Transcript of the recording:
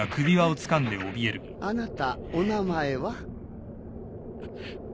あなたお名前は？